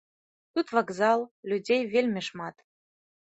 Тут вакзал, людзей вельмі шмат.